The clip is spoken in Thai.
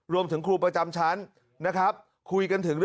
รวมถึงครูประจำชั้น